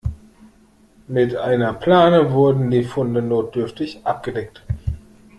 Mit einer Plane wurden die Funde notdürftig abgedeckt.